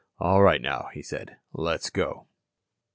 "All right now," he said. "Let's go."